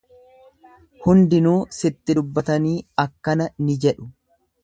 Hundinuu sitti dubbatanii akkana ni jedhu.